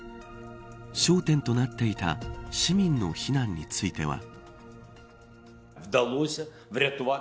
焦点となっていた市民の避難については。